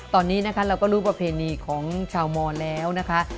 ตอนนี้นะคะเราก็รู้ประเพณีของชาวมอนแล้วนะคะ